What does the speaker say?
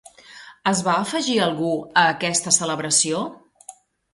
Es va afegir algú a aquesta celebració?